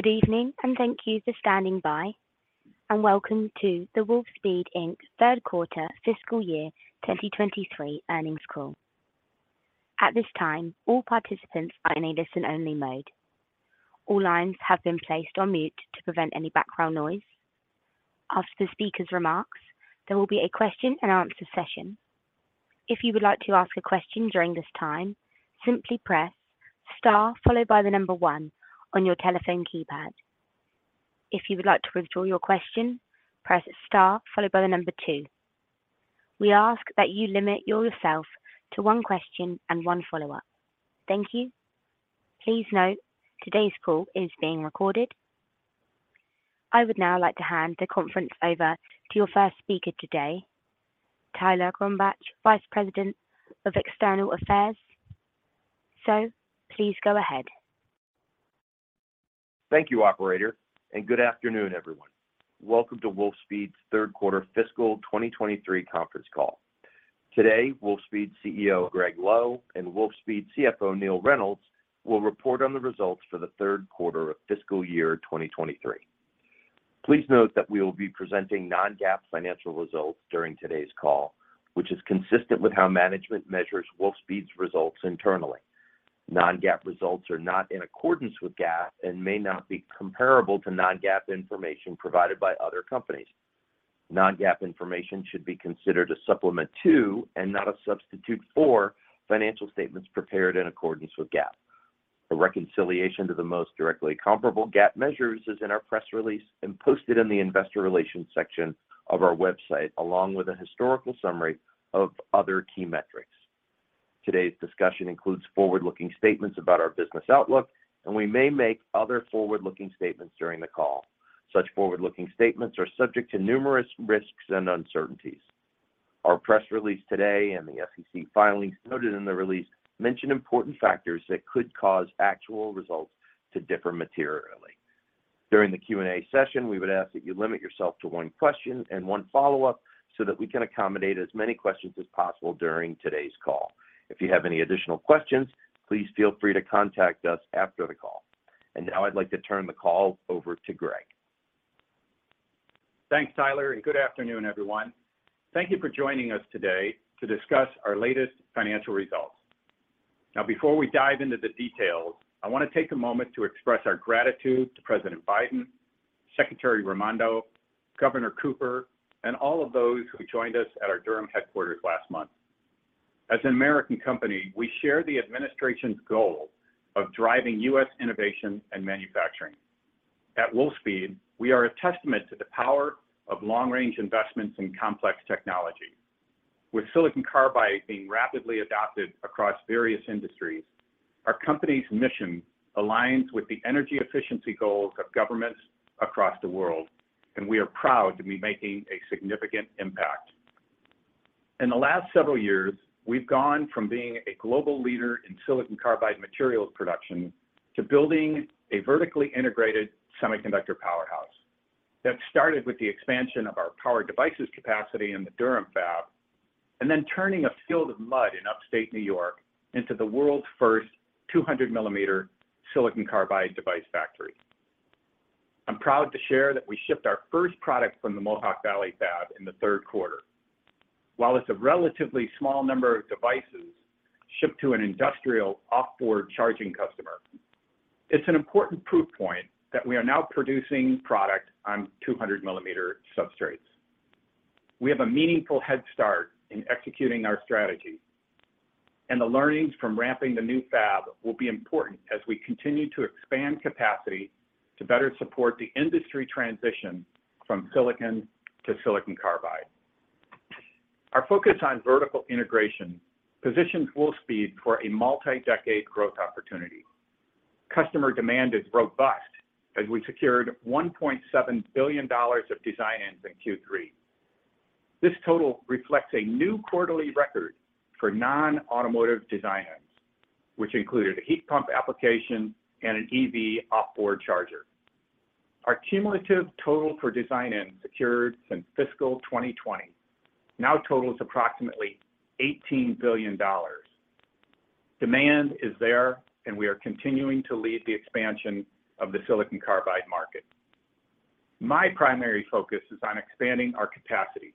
Good evening, and thank you for standing by, and welcome to the Wolfspeed Inc. third quarter fiscal year 2023 earnings call. At this time, all participants are in a listen-only mode. All lines have been placed on mute to prevent any background noise. After the speaker's remarks, there will be a question-and-answer session. If you would like to ask a question during this time, simply press Star followed by one on your telephone keypad. If you would like to withdraw your question, press Star followed by two. We ask that you limit yourself to one question and one follow-up. Thank you. Please note today's call is being recorded. I would now like to hand the conference over to your first speaker today, Tyler Gronbach, Vice President of External Affairs. Please go ahead. Thank you, operator. Good afternoon, everyone. Welcome to Wolfspeed's third quarter fiscal 2023 conference call. Today, Wolfspeed CEO Gregg Lowe and Wolfspeed CFO Neill Reynolds will report on the results for the third quarter of fiscal year 2023. Please note that we will be presenting non-GAAP financial results during today's call, which is consistent with how management measures Wolfspeed's results internally. Non-GAAP results are not in accordance with GAAP and may not be comparable to non-GAAP information provided by other companies. Non-GAAP information should be considered a supplement to, and not a substitute for, financial statements prepared in accordance with GAAP. A reconciliation to the most directly comparable GAAP measures is in our press release and posted in the investor relations section of our website, along with a historical summary of other key metrics. Today's discussion includes forward-looking statements about our business outlook, and we may make other forward-looking statements during the call. Such forward-looking statements are subject to numerous risks and uncertainties. Our press release today and the SEC filings noted in the release mention important factors that could cause actual results to differ materially. During the Q&A session, we would ask that you limit yourself to one question and one follow-up so that we can accommodate as many questions as possible during today's call. If you have any additional questions, please feel free to contact us after the call. Now I'd like to turn the call over to Gregg. Thanks, Tyler. Good afternoon, everyone. Thank you for joining us today to discuss our latest financial results. Before we dive into the details, I wanna take a moment to express our gratitude to President Biden, Secretary Raimondo, Governor Cooper, and all of those who joined us at our Durham headquarters last month. As an American company, we share the administration's goal of driving U.S. innovation and manufacturing. At Wolfspeed, we are a testament to the power of long-range investments in complex technology. With silicon carbide being rapidly adopted across various industries, our company's mission aligns with the energy efficiency goals of governments across the world, and we are proud to be making a significant impact. In the last several years, we've gone from being a global leader in silicon carbide materials production to building a vertically integrated semiconductor powerhouse. That started with the expansion of our power devices capacity in the Durham fab, and then turning a field of mud in upstate New York into the world's first 200-millimeter silicon carbide device factory. I'm proud to share that we shipped our first product from the Mohawk Valley fab in the third quarter. While it's a relatively small number of devices shipped to an industrial off-board charging customer, it's an important proof point that we are now producing product on 200-millimeter substrates. We have a meaningful head start in executing our strategy, and the learnings from ramping the new fab will be important as we continue to expand capacity to better support the industry transition from silicon to silicon carbide. Our focus on vertical integration positions Wolfspeed for a multi-decade growth opportunity. Customer demand is robust as we secured $1.7 billion of design-ins in Q3. This total reflects a new quarterly record for non-automotive design-ins, which included a heat pump application and an EV off-board charger. Our cumulative total for design-ins secured since fiscal 2020 now totals approximately $18 billion. Demand is there, and we are continuing to lead the expansion of the silicon carbide market. My primary focus is on expanding our capacity,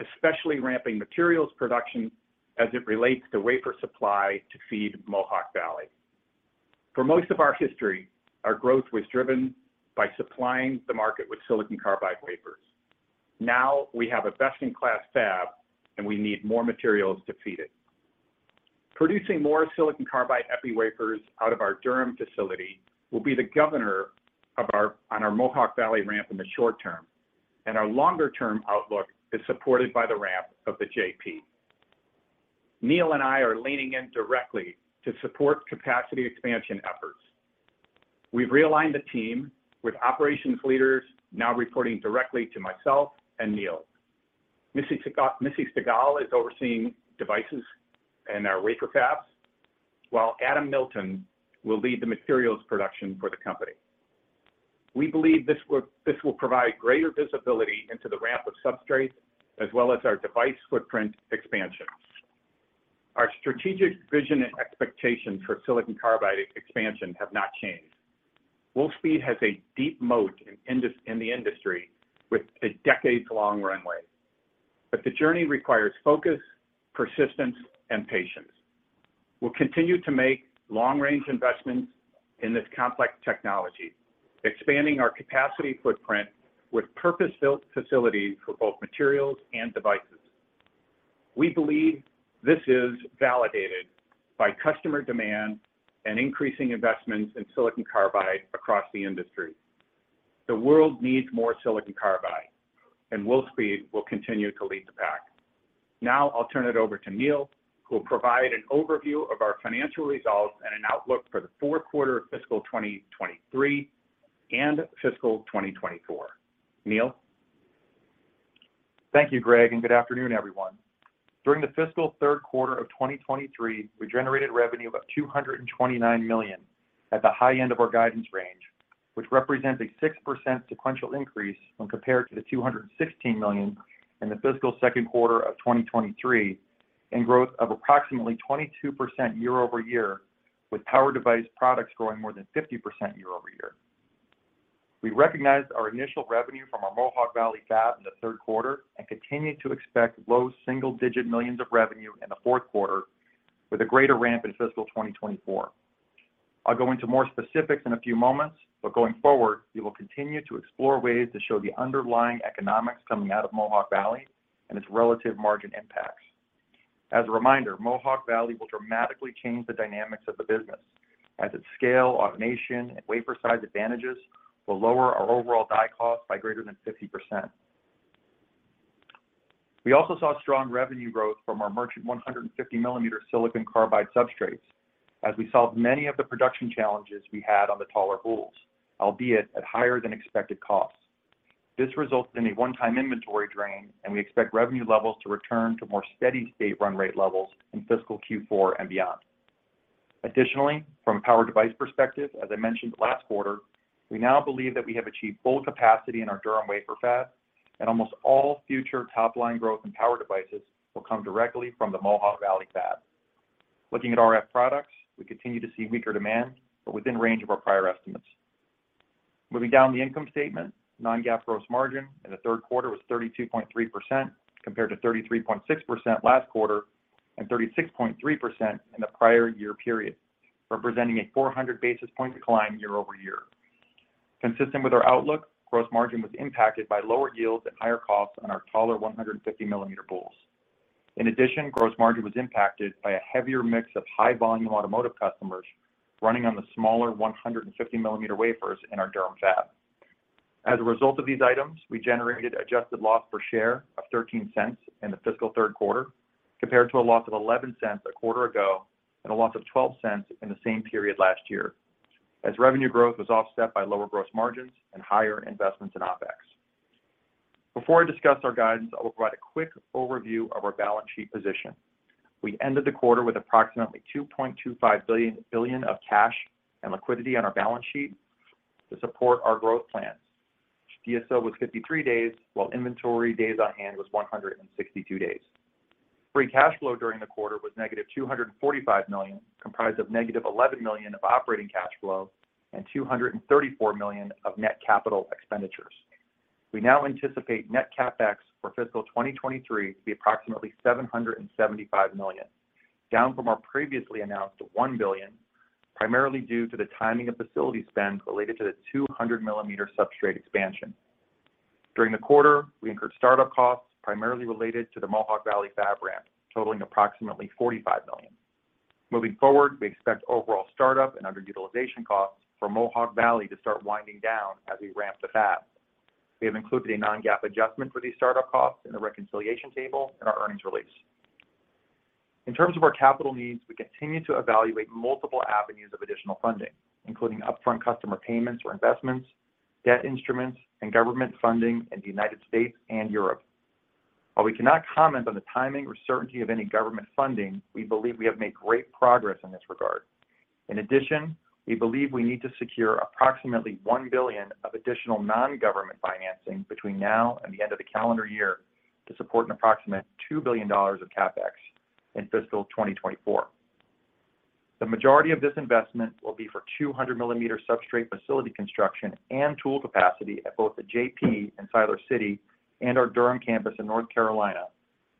especially ramping materials production as it relates to wafer supply to feed Mohawk Valley. For most of our history, our growth was driven by supplying the market with silicon carbide wafers. Now we have a best-in-class fab, and we need more materials to feed it. Producing more silicon carbide epi wafers out of our Durham facility will be the governor on our Mohawk Valley ramp in the short term, and our longer-term outlook is supported by the ramp of The JP. Neill and I are leaning in directly to support capacity expansion efforts. We've realigned the team, with operations leaders now reporting directly to myself and Neill. Missy Stigall is overseeing devices and our wafer fabs, while Adam Milton will lead the materials production for the company. We believe this will provide greater visibility into the ramp of substrates as well as our device footprint expansion. Our strategic vision and expectation for silicon carbide expansion have not changed. Wolfspeed has a deep moat in the industry with a decades-long runway, the journey requires focus, persistence, and patience. We'll continue to make long-range investments in this complex technology, expanding our capacity footprint with purpose-built facilities for both materials and devices. We believe this is validated by customer demand and increasing investments in silicon carbide across the industry. The world needs more silicon carbide, and Wolfspeed will continue to lead the pack. Now I'll turn it over to Neill, who will provide an overview of our financial results and an outlook for the fourth quarter of fiscal 2023 and fiscal 2024. Neill? Thank you, Gregg, good afternoon, everyone. During the fiscal third quarter of 2023, we generated revenue of about $229 million at the high end of our guidance range, which represents a 6% sequential increase when compared to the $216 million in the fiscal second quarter of 2023 and growth of approximately 22% year-over-year, with power device products growing more than 50% year-over-year. We recognized our initial revenue from our Mohawk Valley fab in the third quarter and continue to expect low single-digit millions of revenue in the fourth quarter with a greater ramp in fiscal 2024. I'll go into more specifics in a few moments, going forward, we will continue to explore ways to show the underlying economics coming out of Mohawk Valley and its relative margin impacts. As a reminder, Mohawk Valley will dramatically change the dynamics of the business as its scale, automation, and wafer size advantages will lower our overall die cost by greater than 50%. We also saw strong revenue growth from our merchant 150mm silicon carbide substrates as we solved many of the production challenges we had on the taller boules, albeit at higher than expected costs. This resulted in a one-time inventory drain, and we expect revenue levels to return to more steady state run rate levels in fiscal Q4 and beyond. Additionally, from a power device perspective, as I mentioned last quarter, we now believe that we have achieved full capacity in our Durham wafer fab, and almost all future top-line growth in power devices will come directly from the Mohawk Valley fab. Looking at RF products, we continue to see weaker demand but within range of our prior estimates. Moving down the income statement, non-GAAP gross margin in the third quarter was 32.3% compared to 33.6% last quarter and 36.3% in the prior year period, representing a 400 basis point decline year-over-year. Consistent with our outlook, gross margin was impacted by lower yields and higher costs on our taller 150mm boules. In addition, gross margin was impacted by a heavier mix of high-volume automotive customers running on the smaller 150mm wafers in our Durham fab. As a result of these items, we generated adjusted loss per share of $0.13 in the fiscal third quarter, compared to a loss of $0.11 a quarter ago and a loss of $0.12 in the same period last year, as revenue growth was offset by lower gross margins and higher investments in OpEx. Before I discuss our guidance, I will provide a quick overview of our balance sheet position. We ended the quarter with approximately $2.25 billion of cash and liquidity on our balance sheet to support our growth plans. DSO was 53 days, while inventory days on hand was 162 days. Free cash flow during the quarter was negative $245 million, comprised of negative $11 million of operating cash flow and $234 million of net capital expenditures. We now anticipate net CapEx for fiscal 2023 to be approximately $775 million, down from our previously announced $1 billion, primarily due to the timing of facility spend related to the 200mm substrate expansion. During the quarter, we incurred startup costs primarily related to the Mohawk Valley fab ramp, totaling approximately $45 million. Moving forward, we expect overall startup and underutilization costs for Mohawk Valley to start winding down as we ramp the fab. We have included a non-GAAP adjustment for these startup costs in the reconciliation table in our earnings release. In terms of our capital needs, we continue to evaluate multiple avenues of additional funding, including upfront customer payments or investments, debt instruments, and government funding in the United States and Europe. While we cannot comment on the timing or certainty of any government funding, we believe we have made great progress in this regard. We believe we need to secure approximately $1 billion of additional non-government financing between now and the end of the calendar year to support an approximate $2 billion of CapEx in fiscal 2024. The majority of this investment will be for 200mm substrate facility construction and tool capacity at both The JP and Siler City and our Durham campus in North Carolina,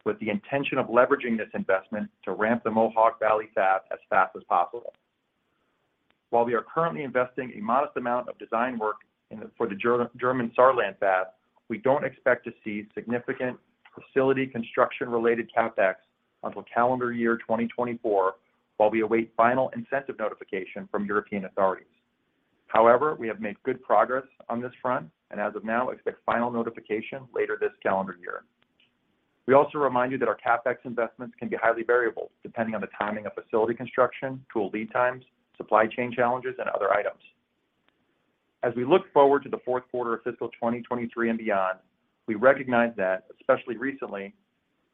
with the intention of leveraging this investment to ramp the Mohawk Valley fab as fast as possible. While we are currently investing a modest amount of design work for the German Saarland fab, we don't expect to see significant facility construction-related CapEx until calendar year 2024 while we await final incentive notification from European authorities. We have made good progress on this front and as of now expect final notification later this calendar year. We also remind you that our CapEx investments can be highly variable depending on the timing of facility construction, tool lead times, supply chain challenges, and other items. We look forward to the fourth quarter of fiscal 2023 and beyond, we recognize that, especially recently,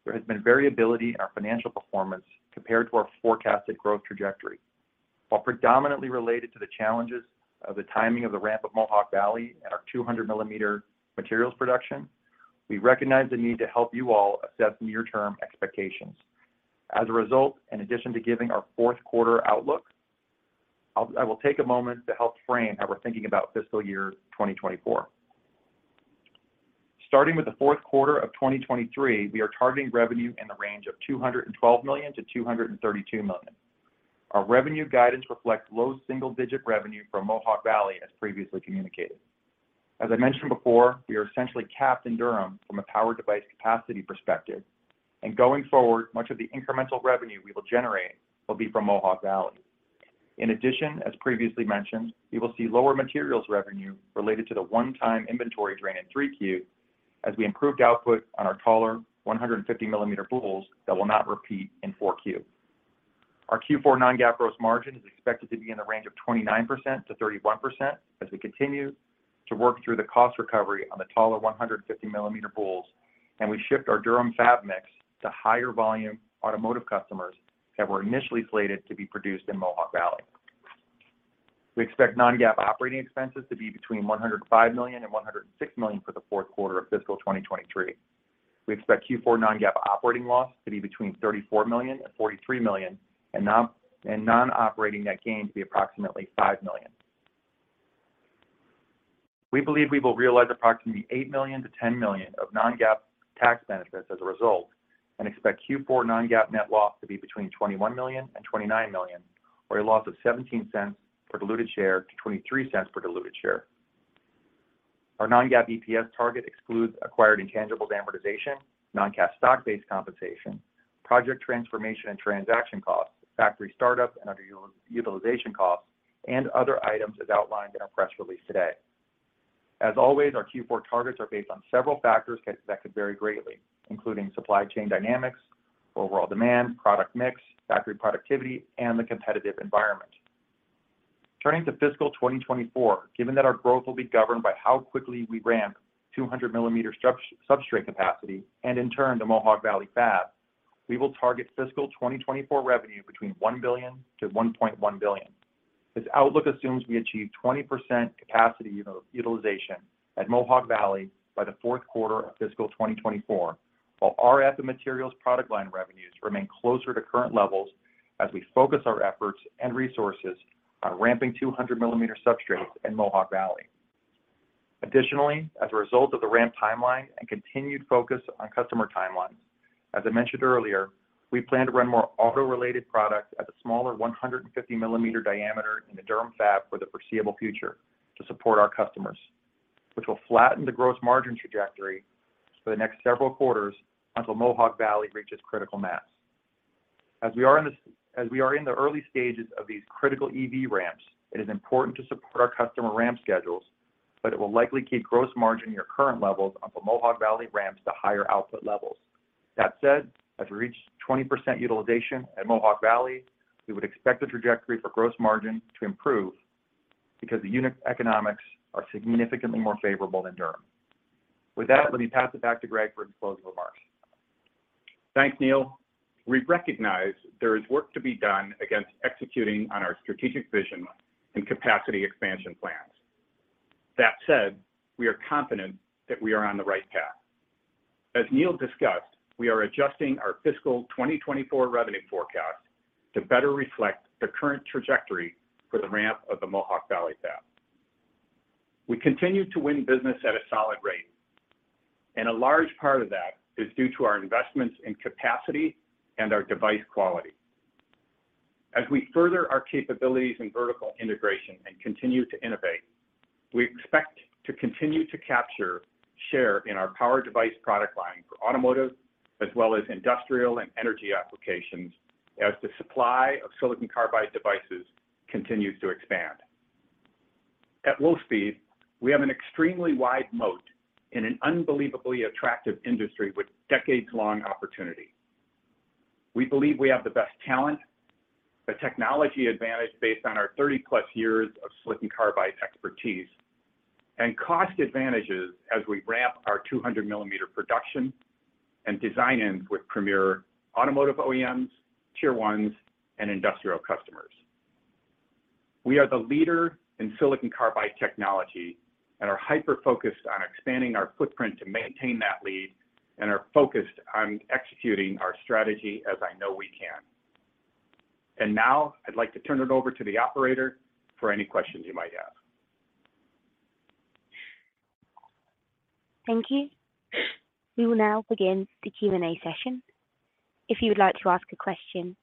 there has been variability in our financial performance compared to our forecasted growth trajectory. Predominantly related to the challenges of the timing of the ramp at Mohawk Valley and our 200mm materials production, we recognize the need to help you all assess near-term expectations. In addition to giving our fourth quarter outlook, I will take a moment to help frame how we're thinking about fiscal year 2024. Starting with the fourth quarter of 2023, we are targeting revenue in the range of $212 million-$232 million. Our revenue guidance reflects low single-digit revenue from Mohawk Valley, as previously communicated. As I mentioned before, we are essentially capped in Durham from a power device capacity perspective, and going forward, much of the incremental revenue we will generate will be from Mohawk Valley. In addition, as previously mentioned, we will see lower materials revenue related to the one-time inventory drain in 3Q as we improved output on our taller 150mm boules that will not repeat in 4Q. Our Q4 non-GAAP gross margin is expected to be in the range of 29%-31% as we continue to work through the cost recovery on the taller 150mm boules, and we shift our Durham fab mix to higher volume automotive customers that were initially slated to be produced in Mohawk Valley. We expect non-GAAP operating expenses to be between $105 million and $106 million for the fourth quarter of fiscal 2023. We expect Q4 non-GAAP operating loss to be between $34 million and $43 million, and non-operating net gain to be approximately $5 million. We believe we will realize approximately $8 million-$10 million of non-GAAP tax benefits as a result, and expect Q4 non-GAAP net loss to be between $21 million and $29 million, or a loss of $0.17 per diluted share to $0.23 per diluted share. Our non-GAAP EPS target excludes acquired intangibles amortization, non-cash stock-based compensation, project transformation and transaction costs, factory startup and underutilization costs, and other items as outlined in our press release today. As always, our Q4 targets are based on several factors expected to vary greatly, including supply chain dynamics, overall demand, product mix, factory productivity, and the competitive environment. Turning to fiscal 2024, given that our growth will be governed by how quickly we ramp 200mm substrate capacity, and in turn to Mohawk Valley fab, we will target fiscal 2024 revenue between $1 billion to $1.1 billion. This outlook assumes we achieve 20% capacity utilization at Mohawk Valley by the fourth quarter of fiscal 2024, while RF and materials product line revenues remain closer to current levels as we focus our efforts and resources on ramping 200mm substrates in Mohawk Valley. As a result of the ramp timeline and continued focus on customer timelines, as I mentioned earlier, we plan to run more auto-related products at the smaller 150mm diameter in the Durham fab for the foreseeable future to support our customers, which will flatten the gross margin trajectory for the next several quarters until Mohawk Valley reaches critical mass. As we are in the early stages of these critical EV ramps, it is important to support our customer ramp schedules, it will likely keep gross margin near current levels until Mohawk Valley ramps to higher output levels. That said, as we reach 20% utilization at Mohawk Valley, we would expect the trajectory for gross margin to improve because the unit economics are significantly more favorable than Durham. With that, let me pass it back to Greg for closing remarks. Thanks, Neill. We recognize there is work to be done against executing on our strategic vision and capacity expansion plans. That said, we are confident that we are on the right path. As Neil discussed, we are adjusting our fiscal 2024 revenue forecast to better reflect the current trajectory for the ramp of the Mohawk Valley fab. We continue to win business at a solid rate, a large part of that is due to our investments in capacity and our device quality. As we further our capabilities in vertical integration and continue to innovate, we expect to continue to capture share in our power device product line for automotive as well as industrial and energy applications as the supply of silicon carbide devices continues to expand. At Wolfspeed, we have an extremely wide moat in an unbelievably attractive industry with decades-long opportunity. We believe we have the best talent, a technology advantage based on our 30+ years of silicon carbide expertise, and cost advantages as we ramp our 200mm production and design-ins with premier automotive OEMs, tier ones, and industrial customers. We are the leader in silicon carbide technology and are hyper-focused on expanding our footprint to maintain that lead and are focused on executing our strategy as I know we can. Now I'd like to turn it over to the operator for any questions you might have. Thank you. We will now begin the Q&A session. If you would like to ask a question,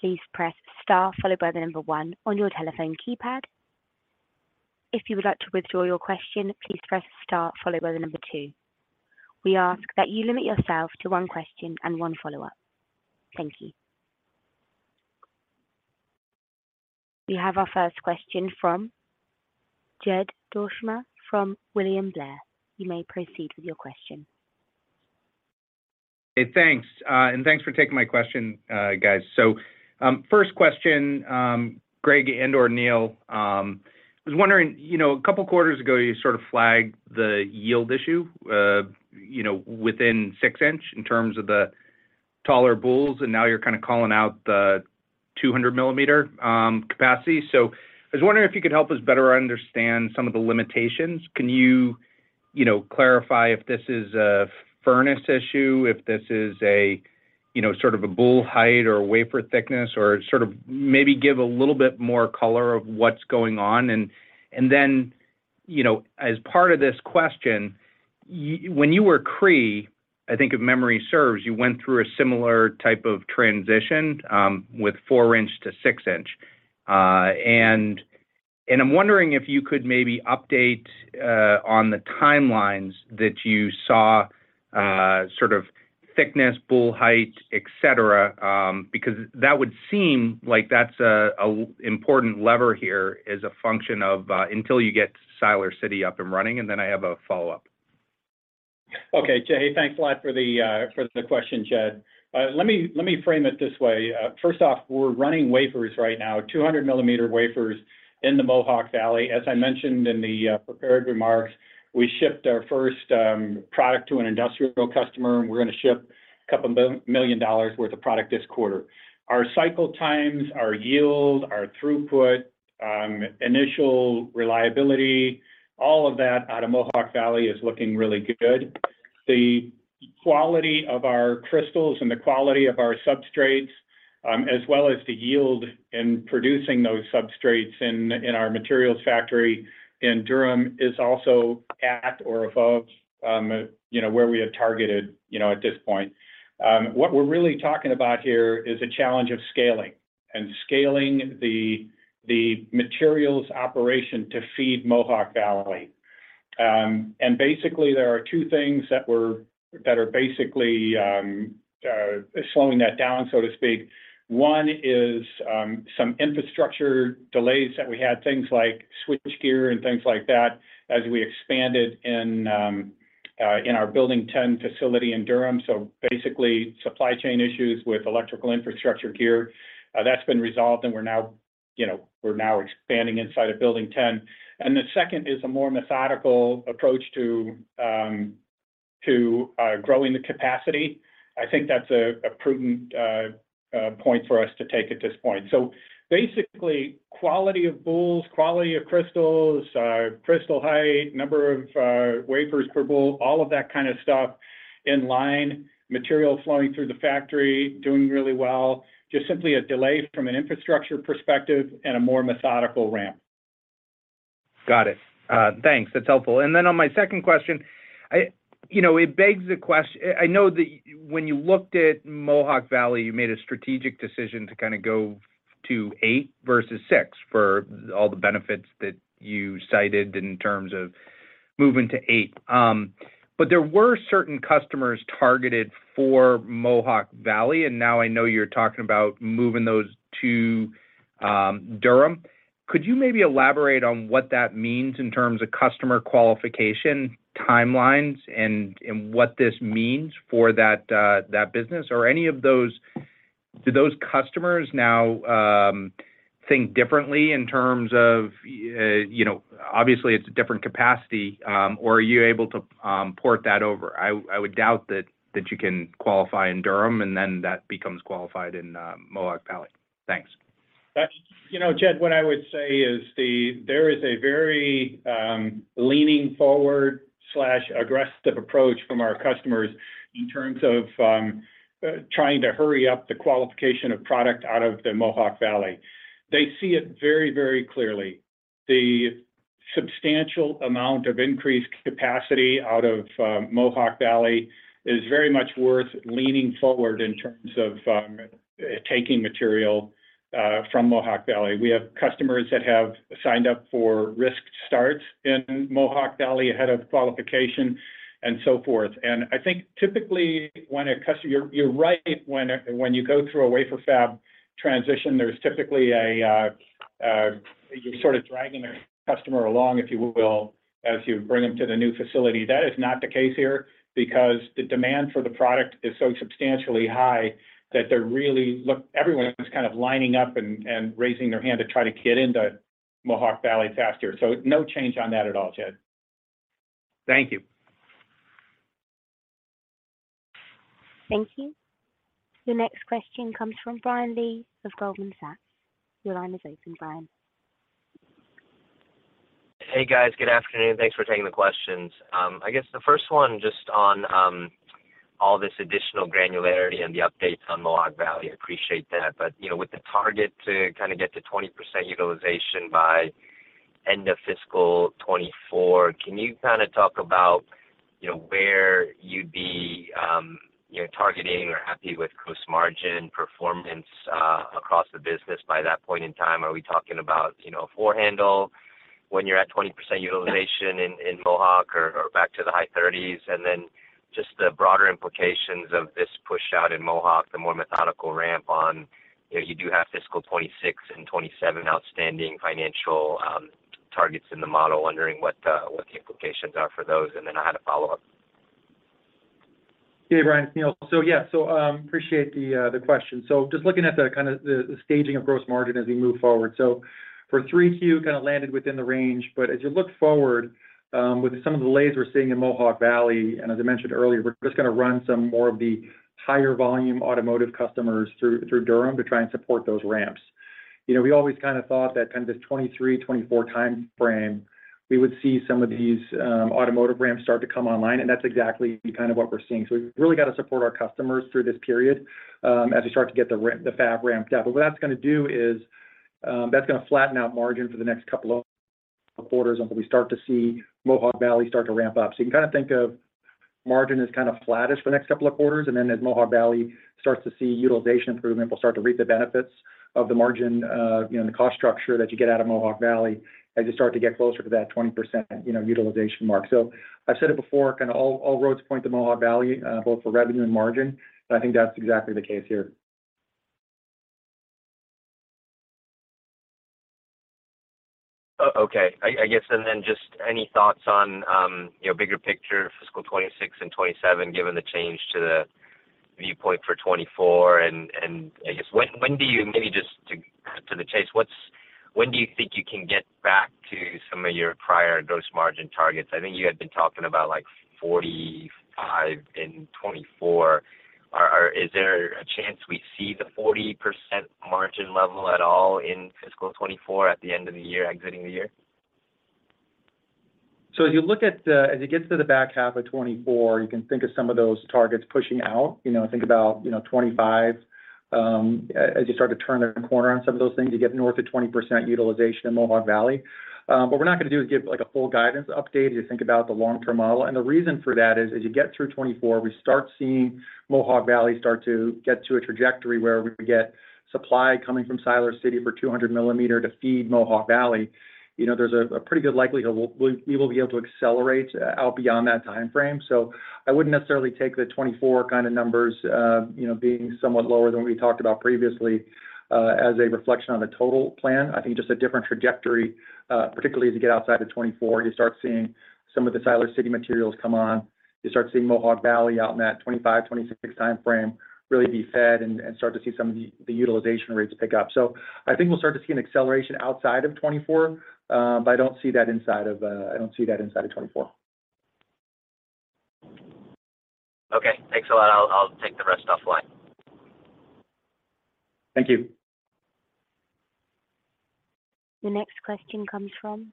please press star followed by the number one on your telephone keypad. If you would like to withdraw your question, please press star followed by the number two. We ask that you limit yourself to one question and one follow-up. Thank you. We have our first question from Jed Dorsheimer from William Blair. You may proceed with your question. Hey, thanks. Thanks for taking my question, guys. First question, Gregg and/or Neill. I was wondering, you know, a couple of quarters ago, you sort of flagged the yield issue, you know, within 6-inch in terms of the Taller boules, now you're kind of calling out the 200mm capacity. I was wondering if you could help us better understand some of the limitations. Can you know, clarify if this is a furnace issue, if this is a, you know, sort of a boule height or wafer thickness or sort of maybe give a little bit more color of what's going on? Then, you know, as part of this question, when you were Cree, I think if memory serves, you went through a similar type of transition with 4-inch to 6-inch. I'm wondering if you could maybe update, on the timelines that you saw, sort of thickness, boule height, et cetera, because that would seem like that's a important lever here as a function of, until you get Siler City up and running, and then I have a follow-up. Okay. Hey, thanks a lot for the question, Jed. Let me frame it this way. First off, we're running wafers right now, 200mm wafers in the Mohawk Valley. As I mentioned in the prepared remarks, we shipped our first product to an industrial customer, and we're gonna ship a couple million dollars worth of product this quarter. Our cycle times, our yield, our throughput, initial reliability, all of that out of Mohawk Valley is looking really good. The quality of our crystals and the quality of our substrates, as well as the yield in producing those substrates in our materials factory in Durham is also at or above, you know, where we have targeted, you know, at this point. What we're really talking about here is the challenge of scaling, and scaling the materials operation to feed Mohawk Valley. Basically, there are two things that are basically slowing that down, so to speak. One is some infrastructure delays that we had, things like switchgear and things like that as we expanded in our Building Ten facility in Durham, so basically supply chain issues with electrical infrastructure gear. That's been resolved, and we're now, you know, we're now expanding inside of Building Ten. The second is a more methodical approach to growing the capacity. I think that's a prudent point for us to take at this point. Basically, quality of boules, quality of crystals, crystal height, number of wafers per boule, all of that kind of stuff in line, material flowing through the factory, doing really well, just simply a delay from an infrastructure perspective and a more methodical ramp. Got it. Thanks. That's helpful. Then on my second question, You know, it begs the question. I know that when you looked at Mohawk Valley, you made a strategic decision to kind of go to eight versus six for all the benefits that you cited in terms of moving to eight. There were certain customers targeted for Mohawk Valley, and now I know you're talking about moving those to Durham. Could you maybe elaborate on what that means in terms of customer qualification timelines and what this means for that business? Do those customers now think differently in terms of, you know, obviously, it's a different capacity, or are you able to port that over? I would doubt that you can qualify in Durham, and then that becomes qualified in Mohawk Valley. Thanks. You know, Jed, what I would say is there is a very, leaning forward/aggressive approach from our customers in terms of trying to hurry up the qualification of product out of the Mohawk Valley. They see it very, very clearly. The substantial amount of increased capacity out of Mohawk Valley is very much worth leaning forward in terms of taking material from Mohawk Valley. We have customers that have signed up for risk starts in Mohawk Valley ahead of qualification and so forth. I think typically when a customer, you're right when you go through a wafer fab transition, there's typically a, you're sort of dragging the customer along, if you will, as you bring them to the new facility. That is not the case here because the demand for the product is so substantially high that they're really everyone is kind of lining up and raising their hand to try to get into Mohawk Valley faster. No change on that at all, Jed. Thank you. Thank you. The next question comes from Brian Lee of Goldman Sachs. Your line is open, Brian. Hey, guys. Good afternoon. Thanks for taking the questions. I guess the first one just on all this additional granularity and the updates on Mohawk Valley. Appreciate that. You know, with the target to kind of get to 20% utilization by end of fiscal 2024, can you kind of talk about, you know, where you'd be, you know, targeting or happy with gross margin performance across the business by that point in time? Are we talking about, you know, four handle when you're at 20% utilization in Mohawk or back to the high 30s? Then just the broader implications of this push-out in Mohawk, the more methodical ramp on, you know, you do have fiscal 2026 and 2027 outstanding financial targets in the model. Wondering what the implications are for those, and then I had a follow-up. Hey, Brian. It's Neill. Appreciate the question. Just looking at the staging of gross margin as we move forward. For 3Q, kind of landed within the range. As you look forward, with some of the delays we're seeing in Mohawk Valley, as I mentioned earlier, we're just gonna run some more of the higher volume automotive customers through Durham to try and support those ramps. You know, we always kind of thought that kind of this 23, 24 time frame, we would see some of these automotive ramps start to come online, and that's exactly kind of what we're seeing. We've really got to support our customers through this period, as we start to get the fab ramped up. What that's gonna do is, that's gonna flatten out margin for the next couple of quarters until we start to see Mohawk Valley start to ramp up. You can kind of think of margin as kind of flattish for the next couple of quarters, and then as Mohawk Valley starts to see utilization improvement, we'll start to reap the benefits of the margin, you know, and the cost structure that you get out of Mohawk Valley as you start to get closer to that 20%, you know, utilization mark. I've said it before, kind of all roads point to Mohawk Valley, both for revenue and margin. I think that's exactly the case here. Okay. I guess and then just any thoughts on, you know, bigger picture fiscal 2026 and 2027, given the change to the viewpoint for 2024 and, I guess when do you think you can get back to some of your prior gross margin targets? I think you had been talking about like 45% in 2024. Is there a chance we see the 40% margin level at all in fiscal 2024 at the end of the year, exiting the year? As you look at, as it gets to the back half of 2024, you can think of some of those targets pushing out. You know, think about, you know, 2025, as you start to turn the corner on some of those things, you get north of 20% utilization in Mohawk Valley. What we're not gonna do is give, like, a full guidance update as you think about the long-term model. The reason for that is as you get through 2024, we start seeing Mohawk Valley start to get to a trajectory where we get supply coming from Siler City for 200mm to feed Mohawk Valley. You know, there's a pretty good likelihood we will be able to accelerate out beyond that time frame. I wouldn't necessarily take the 24 kind of numbers, you know, being somewhat lower than what we talked about previously, as a reflection on the total plan. I think just a different trajectory, particularly as you get outside of 24, you start seeing some of the Siler City materials come on. You start seeing Mohawk Valley out in that 25, 26 time frame really be fed and start to see some of the utilization rates pick up. I think we'll start to see an acceleration outside of 24. I don't see that inside of, I don't see that inside of 24. Okay. Thanks a lot. I'll take the rest offline. Thank you. The next question comes from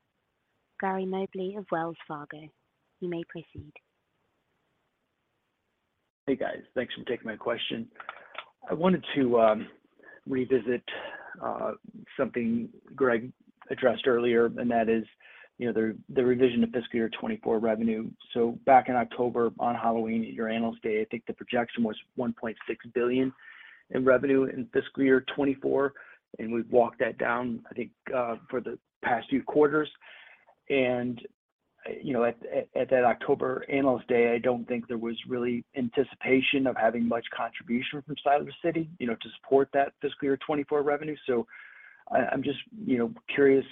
Gary Mobley of Wells Fargo. You may proceed. Hey, guys. Thanks for taking my question. I wanted to revisit something Greg addressed earlier, and that is, you know, the revision of fiscal year 2024 revenue. Back in October on Halloween, your Analyst Day, I think the projection was $1.6 billion in revenue in fiscal year 2024, and we've walked that down, I think, for the past few quarters. You know, at that October Analyst Day, I don't think there was really anticipation of having much contribution from Siler City, you know, to support that fiscal year 2024 revenue. I'm just, you know, curious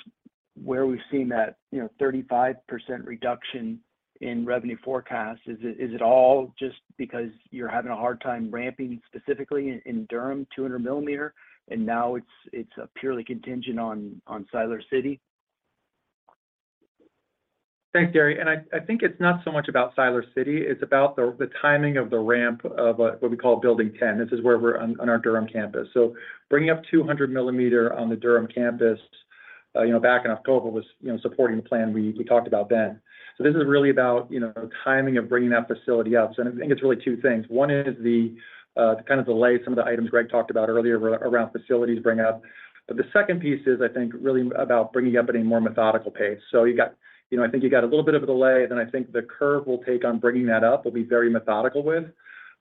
where we've seen that, you know, 35% reduction in revenue forecast. Is it, is it all just because you're having a hard time ramping specifically in Durham, 200mm, and now it's purely contingent on Siler City? Thanks, Gary. I think it's not so much about Siler City, it's about the timing of the ramp of what we call Building 10. This is where we're on our Durham campus. Bringing up 200mm on the Durham campus, you know, back in October was, you know, supporting the plan we talked about then. This is really about, you know, timing of bringing that facility up. I think it's really two things. One is the kind of delay some of the items Gregg talked about earlier around facilities bring up. The second piece is, I think, really about bringing up at a more methodical pace. you know, I think you got a little bit of a delay, I think the curve we'll take on bringing that up, we'll be very methodical with.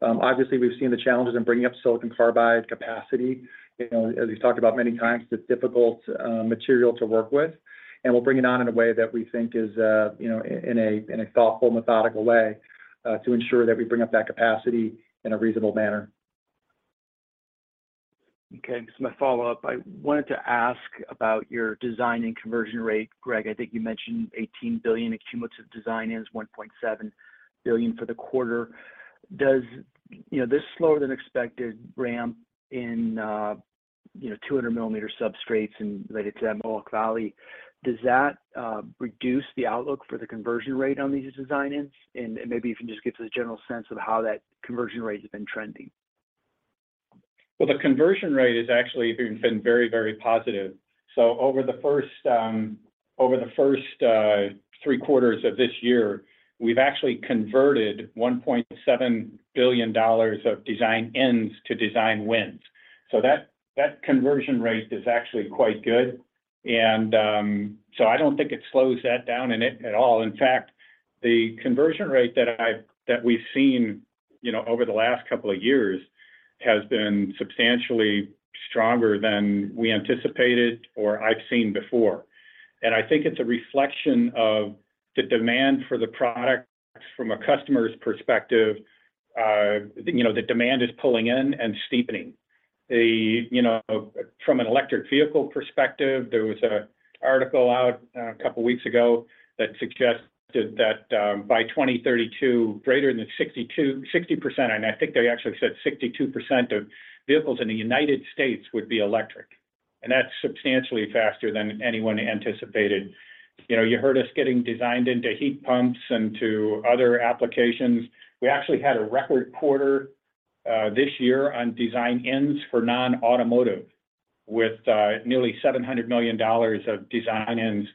Obviously, we've seen the challenges in bringing up silicon carbide capacity. You know, as we've talked about many times, it's difficult material to work with, and we'll bring it on in a way that we think is, you know, in a thoughtful, methodical way to ensure that we bring up that capacity in a reasonable manner. Okay. Just my follow-up. I wanted to ask about your design-in conversion rate. Gregg, I think you mentioned $18 billion accumulated design-ins, $1.7 billion for the quarter. Does, you know, this slower than expected ramp in, you know, 200mm substrates and related to that Mohawk Valley, does that reduce the outlook for the conversion rate on these design-ins? Maybe if you can just give us a general sense of how that conversion rate has been trending. Well, the conversion rate has actually been very, very positive. Over the first, three quarters of this year, we've actually converted $1.7 billion of design-ins to design wins. That conversion rate is actually quite good. I don't think it slows that down in it at all. In fact, the conversion rate that we've seen, you know, over the last couple of years has been substantially stronger than we anticipated or I've seen before. I think it's a reflection of the demand for the products from a customer's perspective. You know, the demand is pulling in and steepening. You know, from an electric vehicle perspective, there was a article out a couple weeks ago that suggested that, by 2032, greater than 60%, and I think they actually said 62% of vehicles in the United States would be electric. That's substantially faster than anyone anticipated. You know, you heard us getting designed into heat pumps and to other applications. We actually had a record quarter. This year on design-ins for non-automotive with nearly $700 million of design-ins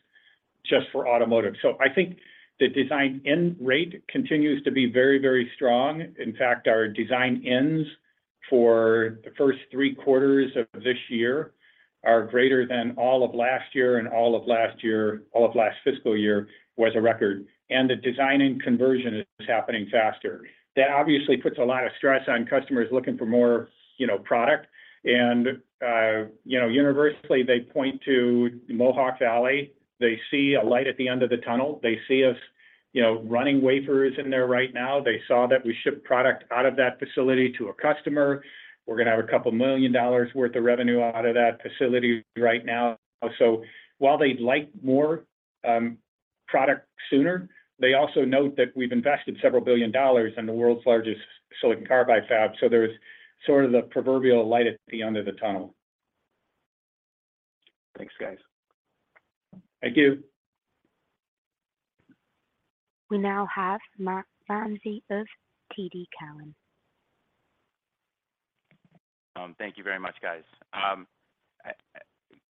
just for automotive. I think the design-in rate continues to be very, very strong. In fact, our design-ins for the first three quarters of this year are greater than all of last fiscal year was a record. The design-in conversion is happening faster. That obviously puts a lot of stress on customers looking for more, you know, product. You know, universally, they point to Mohawk Valley. They see a light at the end of the tunnel. They see us, you know, running wafers in there right now. They saw that we shipped product out of that facility to a customer. We're gonna have $2 million worth of revenue out of that facility right now. While they'd like more product sooner, they also note that we've invested several billion dollars in the world's largest silicon carbide fab. There's sort of the proverbial light at the end of the tunnel. Thanks, guys. Thank you. We now have Matt Ramsay of TD Cowen. Thank you very much, guys.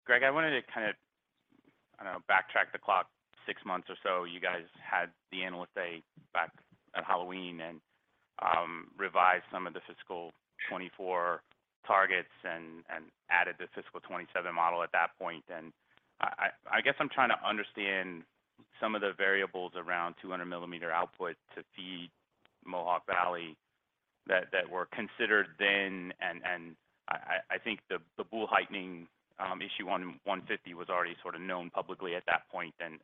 Greg, I wanted to kind of backtrack the clock 6 months or so. You guys had the Analyst Day back at Halloween and revised some of the fiscal 2024 targets and added the fiscal 2027 model at that point. I guess I'm trying to understand some of the variables around 200mm output to feed Mohawk Valley that were considered then. I think the boule heightening issue on 150mm was already sort of known publicly at that point, and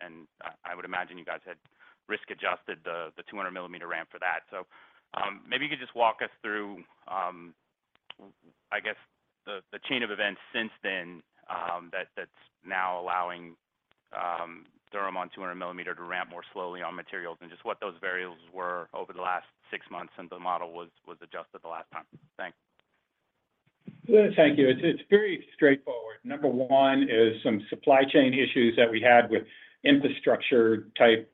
I would imagine you guys had risk-adjusted the 200mm ramp for that. Maybe you could just walk us through I guess the chain of events since then that's now allowing Durham on 20mm to ramp more slowly on materials and just what those variables were over the last six months since the model was adjusted the last time. Thanks. Thank you. It's very straightforward. Number 1 is some supply chain issues that we had with infrastructure type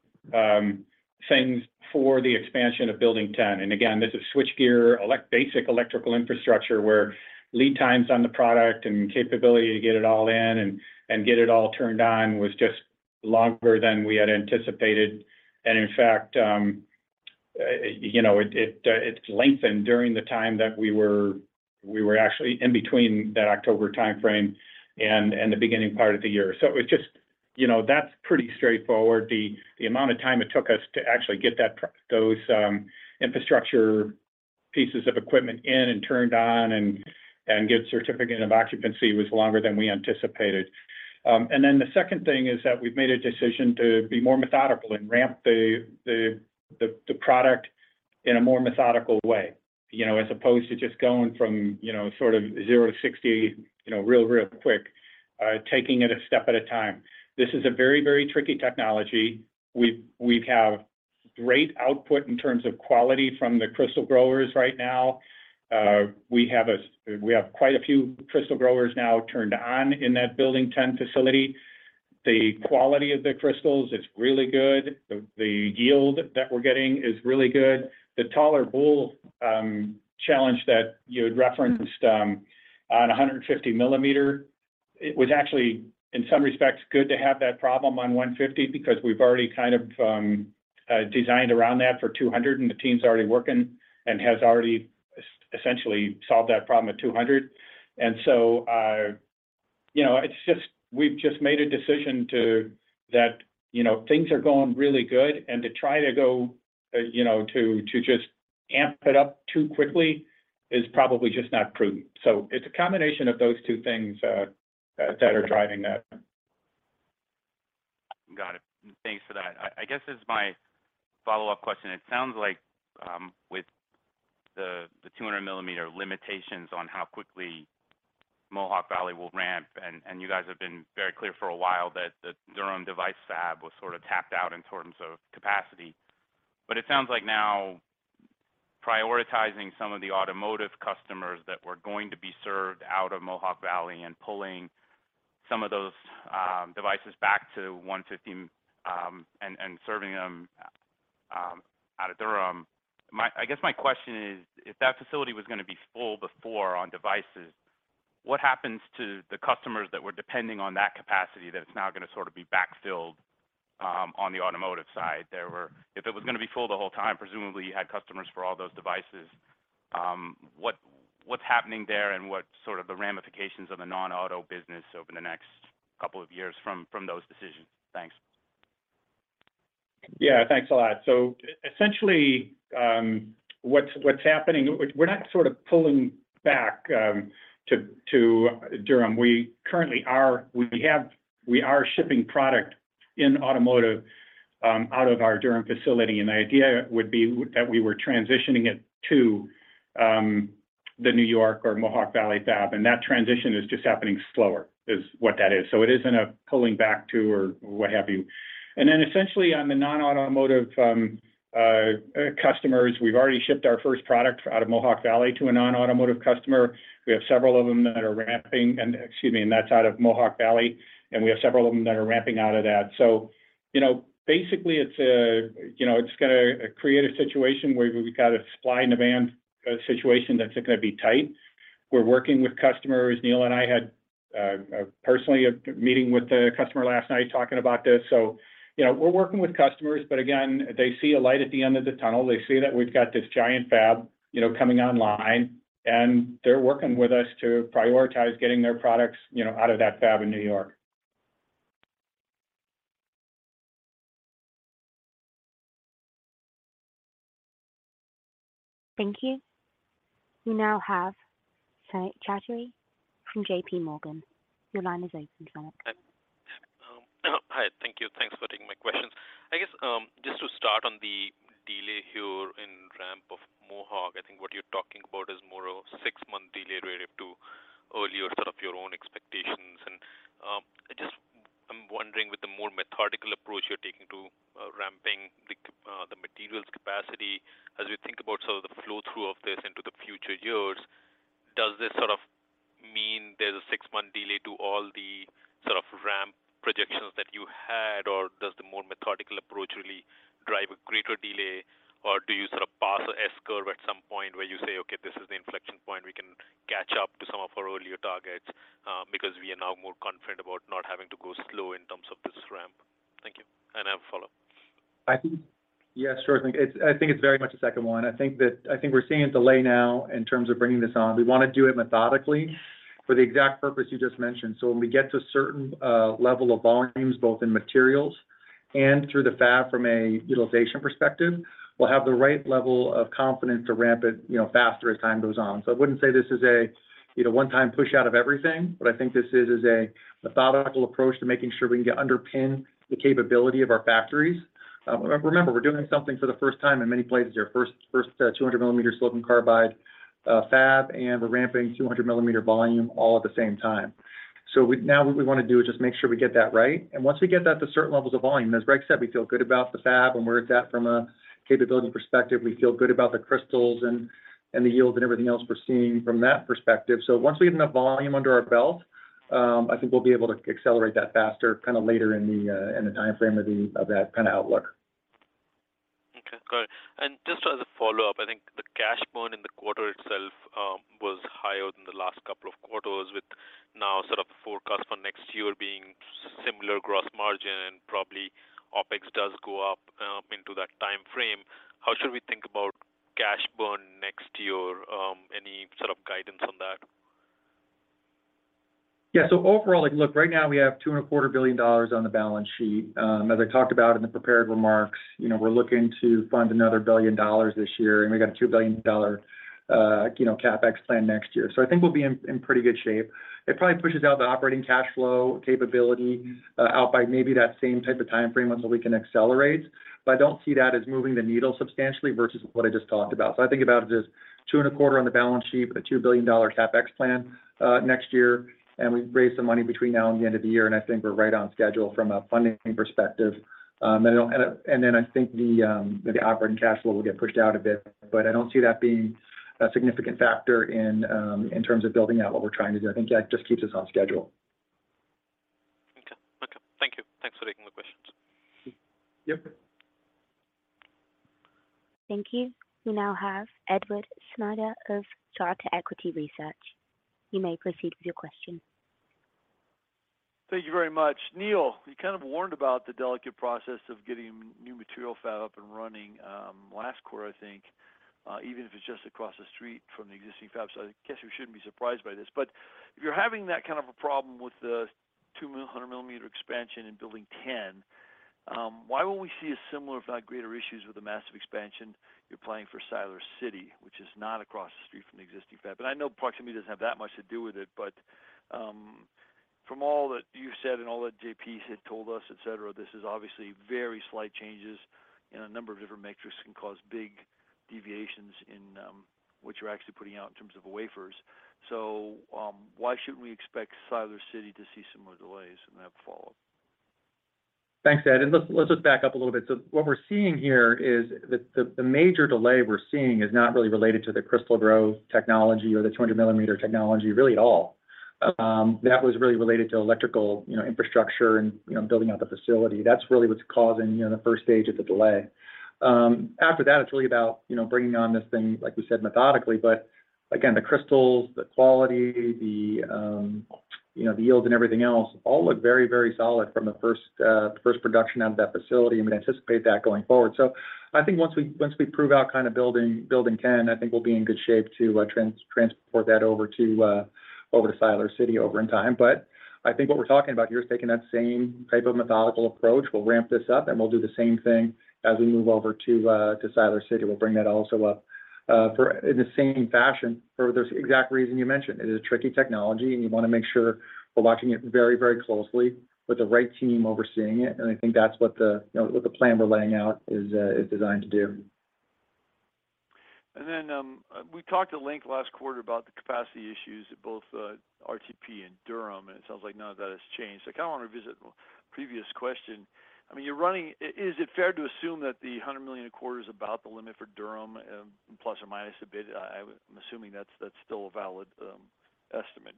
things for the expansion of building 10. Again, this is switchgear basic electrical infrastructure where lead times on the product and capability to get it all in and get it all turned on was just longer than we had anticipated. In fact, you know, it lengthened during the time that we were actually in between that October timeframe and the beginning part of the year. It was just, you know, that's pretty straightforward. The amount of time it took us to actually get those infrastructure pieces of equipment in and turned on and get certificate of occupancy was longer than we anticipated. The second thing is that we've made a decision to be more methodical and ramp the product in a more methodical way, you know, as opposed to just going from, you know, sort of zero to 60, you know, real quick, taking it a step at a time. This is a very tricky technology. We have great output in terms of quality from the crystal growers right now. We have quite a few crystal growers now turned on in that building 10 facility. The quality of the crystals is really good. The yield that we're getting is really good. The taller boule challenge that you had referenced on 150mm, it was actually, in some respects, good to have that problem on 150 because we've already kind of designed around that for 200, and the team's already working and has already essentially solved that problem at 200. You know, it's just we've just made a decision to that, you know, things are going really good, and to try to go, you know, to just amp it up too quickly is probably just not prudent. It's a combination of those two things that are driving that. Got it. Thanks for that. I guess as my follow-up question, it sounds like with the 200mm limitations on how quickly Mohawk Valley will ramp, and you guys have been very clear for a while that the Durham device fab was sort of tapped out in terms of capacity. It sounds like now prioritizing some of the automotive customers that were going to be served out of Mohawk Valley and pulling some of those devices back to 150, and serving them out of Durham. I guess my question is, if that facility was gonna be full before on devices, what happens to the customers that were depending on that capacity that it's now gonna sort of be backfilled on the automotive side? If it was gonna be full the whole time, presumably you had customers for all those devices. What, what's happening there and what sort of the ramifications of the non-auto business over the next couple of years from those decisions? Thanks. Yeah. Thanks a lot. Essentially, what's happening, we're not sort of pulling back to Durham. We currently are shipping product in automotive out of our Durham facility, and the idea would be that we were transitioning it to the New York or Mohawk Valley fab, and that transition is just happening slower is what that is. It isn't a pulling back to or what have you. Essentially on the non-automotive customers, we've already shipped our first product out of Mohawk Valley to a non-automotive customer. We have several of them that are ramping excuse me, and that's out of Mohawk Valley. We have several of them that are ramping out of that you know, basically it's a, you know, it's gonna create a situation where we've got a supply and demand situation that's gonna be tight. We're working with customers. Neill and I had. Personally, a meeting with a customer last night talking about this. You know, we're working with customers, but again, they see a light at the end of the tunnel. They see that we've got this giant fab, you know, coming online, they're working with us to prioritize getting their products, you know, out of that fab in New York. Thank you. We now have Samik Chatterjee from JPMorgan. Your line is open, Samik. Hi. Thank you. Thanks for taking my questions. I guess, just to start on the delay here in ramp of Mohawk, I think what you're talking about is more of 6-month delay related to earlier sort of your own expectations. I'm wondering with the more methodical approach you're taking to ramping the materials capacity, as we think about sort of the flow-through of this into the future years, does this sort of mean there's a six month delay to all the sort of ramp projections that you had, or does the more methodical approach really drive a greater delay? Do you sort of pass a S-curve at some point where you say, "Okay, this is the inflection point, we can catch up to some of our earlier targets, because we are now more confident about not having to go slow in terms of this ramp." Thank you, I have a follow-up. Yeah, sure thing. I think it's very much the second one. I think we're seeing a delay now in terms of bringing this on. We wanna do it methodically for the exact purpose you just mentioned. When we get to a certain level of volumes, both in materials and through the fab from a utilization perspective, we'll have the right level of confidence to ramp it, you know, faster as time goes on. I wouldn't say this is a, you know, one-time push out of everything, but I think this is a methodical approach to making sure we can underpin the capability of our factories. Remember, we're doing something for the first time in many places, our first 200mm silicon carbide fab and the ramping 200mm volume all at the same time. Now what we wanna do is just make sure we get that right. Once we get that to certain levels of volume, as Greg said, we feel good about the fab and where it's at from a capability perspective. We feel good about the crystals and the yields and everything else we're seeing from that perspective. Once we get enough volume under our belt, I think we'll be able to accelerate that faster kinda later in the timeframe of that kinda outlook. Okay, great. Just as a follow-up, I think the cash burn in the quarter itself, was higher than the last couple of quarters, with now sort of forecast for next year being similar gross margin and probably OpEx does go up, into that timeframe. How should we think about cash burn next year? Any sort of guidance on that? Yeah. Overall, like, look, right now we have two and a quarter billion dollars on the balance sheet. As I talked about in the prepared remarks, you know, we're looking to fund another $1 billion this year, we got a $2 billion, you know, CapEx plan next year. I think we'll be in pretty good shape. It probably pushes out the operating cash flow capability out by maybe that same type of timeframe until we can accelerate. I don't see that as moving the needle substantially versus what I just talked about. I think about it as two and a quarter on the balance sheet with a $2 billion CapEx plan next year, we've raised some money between now and the end of the year, I think we're right on schedule from a funding perspective. I think the operating cash flow will get pushed out a bit, but I don't see that being a significant factor in terms of building out what we're trying to do. I think that just keeps us on schedule. Okay. Okay. Thank you. Thanks for taking the questions. Yep. Thank you. We now have Edward Snyder of Charter Equity Research. You may proceed with your question. Thank you very much. Neill, you kind of warned about the delicate process of getting new material fab up and running, last quarter, I think, even if it's just across the street from the existing fab. I guess we shouldn't be surprised by this. If you're having that kind of a problem with the 200mm expansion in building 10, why won't we see a similar, if not greater, issues with the massive expansion you're planning for Siler City, which is not across the street from the existing fab? I know proximity doesn't have that much to do with it, but, from all that you've said and all that The JP had told us, et cetera, this is obviously very slight changes in a number of different metrics can cause big deviations in what you're actually putting out in terms of wafers. Why shouldn't we expect Siler City to see similar delays? I have a follow-up. Thanks, Ed. Let's just back up a little bit. What we're seeing here is the major delay we're seeing is not really related to the crystal growth technology or the 200mm technology really at all. Okay. That was really related to electrical, you know, infrastructure and, you know, building out the facility. That's really what's causing, you know, the first stage of the delay. After that, it's really about, you know, bringing on this thing, like we said, methodically. Again, the crystals, the quality, the, you know, the yields and everything else all look very, very solid from the first production out of that facility, and we anticipate that going forward. I think once we, once we prove out kind of building 10, I think we'll be in good shape to transport that over to Siler City over in time. I think what we're talking about here is taking that same type of methodical approach. We'll ramp this up. We'll do the same thing as we move over to to Siler City. We'll bring that also up for in the same fashion for those exact reason you mentioned. It is a tricky technology. You wanna make sure we're watching it very, very closely with the right team overseeing it. I think that's what the, you know, what the plan we're laying out is designed to do. We talked at length last quarter about the capacity issues at both RTP and Durham, and it sounds like none of that has changed. I kind of want to revisit a previous question. I mean, is it fair to assume that the $100 million a quarter is about the limit for Durham, plus or minus a bit? I'm assuming that's still a valid estimate.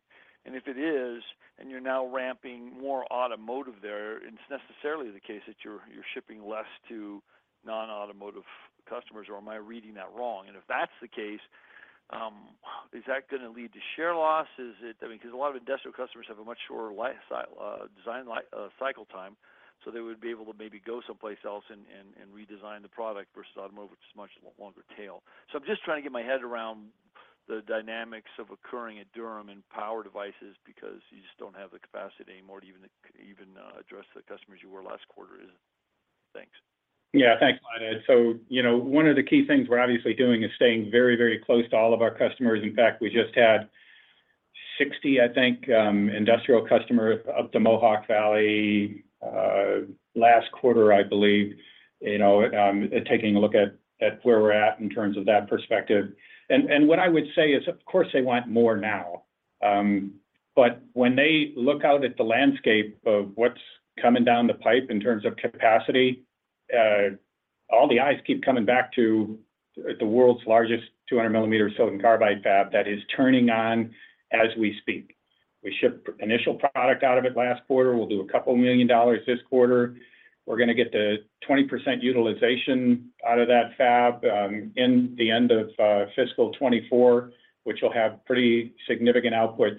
If it is, and you're now ramping more automotive there, it's necessarily the case that you're shipping less to non-automotive customers, or am I reading that wrong? If that's the case, is that going to lead to share loss? I mean, 'cause a lot of industrial customers have a much shorter life design cycle time, so they would be able to maybe go someplace else and redesign the product versus automotive, which is much longer tail. I'm just trying to get my head around the dynamics of occurring at Durham in power devices because you just don't have the capacity anymore to even address the customers you were last quarter in. Thanks. Yeah. Thanks, Ed. One of the key things we're obviously doing is staying very, very close to all of our customers. In fact, we just had 60, I think, industrial customers up to Mohawk Valley last quarter, I believe, taking a look at where we're at in terms of that perspective. What I would say is, of course they want more now. But when they look out at the landscape of what's coming down the pipe in terms of capacity, all the eyes keep coming back to the world's largest 200-millimeter silicon carbide fab that is turning on as we speak. We shipped initial product out of it last quarter. We'll do a couple million dollars this quarter. We're gonna get to 20% utilization out of that fab in the end of fiscal 2024, which will have pretty significant output.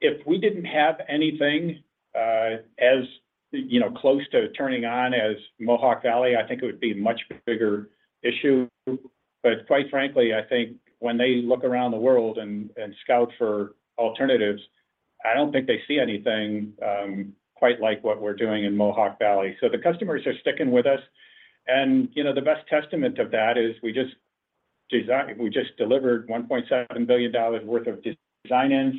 If we didn't have anything, as you know, close to turning on as Mohawk Valley, I think it would be much bigger issue. Quite frankly, I think when they look around the world and scout for alternatives, I don't think they see anything quite like what we're doing in Mohawk Valley. The customers are sticking with us. You know, the best testament to that is we just delivered $1.7 billion worth of design-ins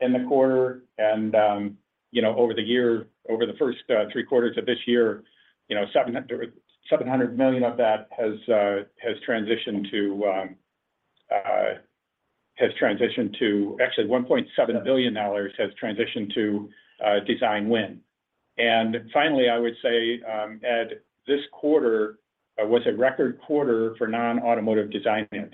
in the quarter. you know, over the year, over the first three quarters of this year, you know, Actually, $1.7 billion has transitioned to a design-in. Finally, I would say, Ed, this quarter was a record quarter for non-automotive design-ins.